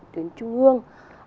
tuyến trung hương